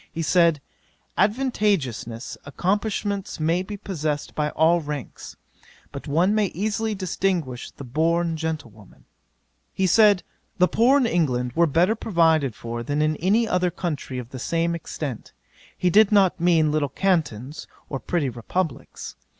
He said, "adventitious accomplishments may be possessed by all ranks; but one may easily distinguish the born gentlewoman." 'He said, "the poor in England were better provided for, than in any other country of the same extent: he did not mean little Cantons, or petty Republicks.